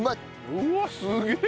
うわっすげえ！